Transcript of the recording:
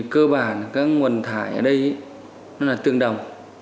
cơ bản các nguồn thải ở đây nó là tương đồng